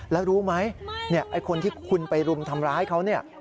แล้วรู้ไหมไอ้คนที่คุณไปรุมทำร้ายเขาเนี่ย